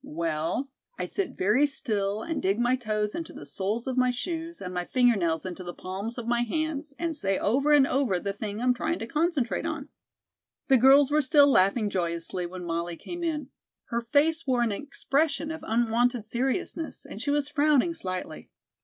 "Well, I sit very still and dig my toes into the soles of my shoes and my finger nails into the palms of my hands and say over and over the thing I'm trying to concentrate on." The girls were still laughing joyously when Molly came in. Her face wore an expression of unwonted seriousness, and she was frowning slightly.